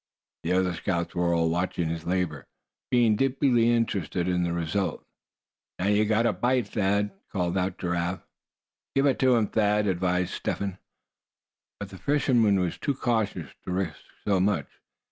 The other scouts were all watching his labor, being deeply interested in the result. "Now you've got a bite, Thad!" called out Giraffe. "Give it to him, Thad!" advised Step Hen. But the fisherman was too cautious to risk so much.